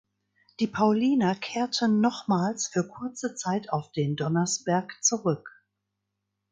Die Pauliner kehrten nochmals für kurze Zeit auf den Donnersberg zurück.